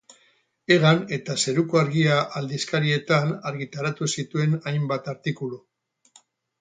Egan eta Zeruko Argia aldizkarietan argitaratu zituen hainbat artikulu.